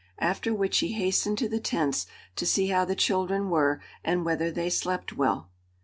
After which he hastened to the tents to see how the children were and whether they slept well.